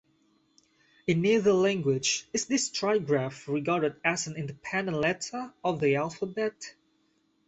In neither language is this trigraph regarded as an independent letter of the alphabet.